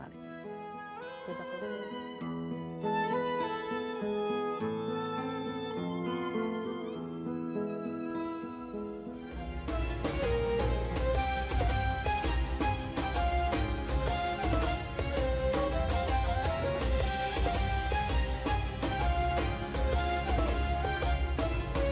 terima kasih atas keberadaan anda